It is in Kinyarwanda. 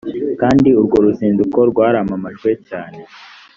kandi urwo ruzinduko rwaramamajwe cyane